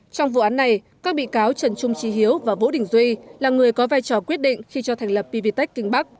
trong vụ án này các bị cáo trần trung trí hiếu và vũ đình duy là người có vai trò quyết định khi cho thành lập pvtec kinh bắc